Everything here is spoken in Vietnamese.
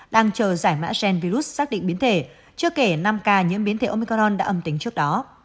đang chờ giải mã gen virus xác định biến thể chưa kể năm ca nhiễm biến thể omicaron đã âm tính trước đó